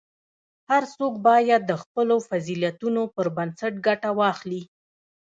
هر څوک باید د خپلو فضیلتونو پر بنسټ ګټه واخلي.